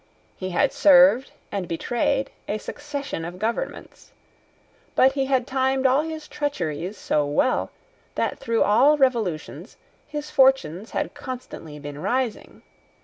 He had served and betrayed a succession of governments. But he had timed all his treacheries so well that through all revolutions, his fortunes had constantly been rising.